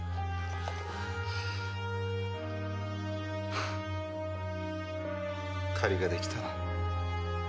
ハッ借りができたな。